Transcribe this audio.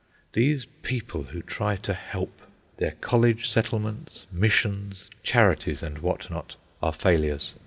These people who try to help! Their college settlements, missions, charities, and what not, are failures.